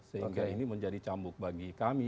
sehingga ini menjadi cambuk bagi kami